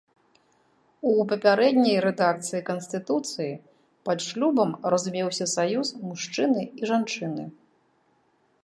У папярэдняй рэдакцыі канстытуцыі пад шлюбам разумеўся саюз мужчыны і жанчыны.